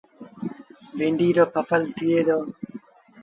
بيٚنڊيٚ رو ڦسل ٿئي دو۔